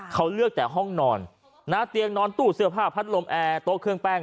เขาเลือกแต่ห้องนอนนะเตียงนอนตู้เสื้อผ้าพัดลมแอร์โต๊ะเครื่องแป้ง